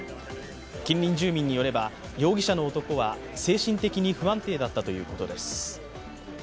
近隣住民によれば容疑者の男は精神的に不安定だったということです。